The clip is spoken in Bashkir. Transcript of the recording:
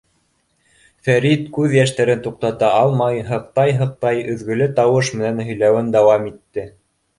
Фәрит күҙ йәштәрен туҡтата алмай, һыҡтай-һыҡтай, өҙгөлө тауыш менән һөйләүен дауам итте.